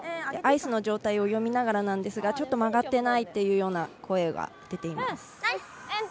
アイスの状態を読みながらなんですがちょっと曲がってないというような声が出ています。